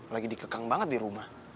lagi dikekang banget di rumah